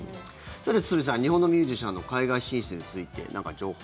堤さん日本のミュージシャンの海外進出についてなんか情報。